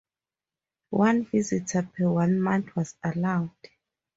One visitor per one month was allowed.